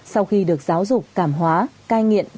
sau khi được giáo dục